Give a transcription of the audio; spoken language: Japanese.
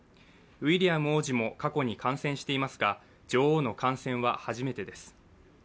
ウィリアム王子も過去に感染していますが、女王の感染は初めてです。